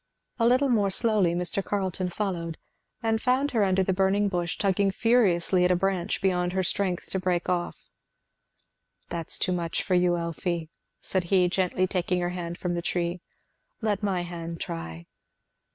A little more slowly Mr. Carleton followed, and found her under the burning bush, tugging furiously at a branch beyond her strength to break off. "That's too much for you, Elfie," said he, gently taking her hand from the tree, "let my hand try."